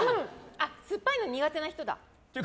酸っぱいの苦手な人だ。